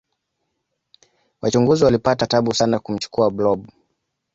wachunguzi walipata tabu sana kumchukua blob